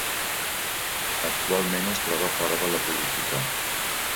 Actualment es troba fora de la política.